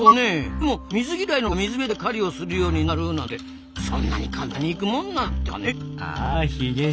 でも水嫌いのネコが水辺で狩りをするようになるなんてそんなに簡単にいくもんなんですかねえ？